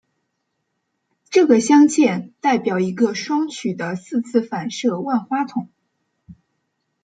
这个镶嵌代表一个双曲的四次反射万花筒。